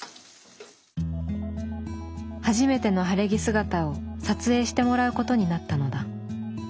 初めての晴れ着姿を撮影してもらうことになったのだ。